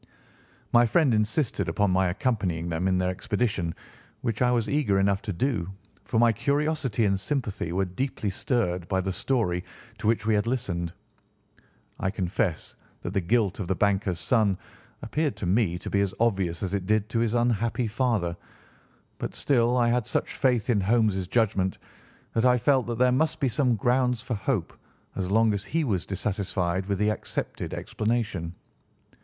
My friend insisted upon my accompanying them in their expedition, which I was eager enough to do, for my curiosity and sympathy were deeply stirred by the story to which we had listened. I confess that the guilt of the banker's son appeared to me to be as obvious as it did to his unhappy father, but still I had such faith in Holmes' judgment that I felt that there must be some grounds for hope as long as he was dissatisfied with the accepted explanation.